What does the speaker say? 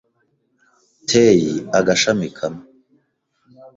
Teyi agashami kamwe